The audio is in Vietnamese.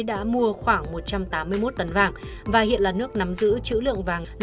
đã mua khoảng một trăm tám mươi một tấn vàng và hiện là nước nắm giữ chữ lượng vàng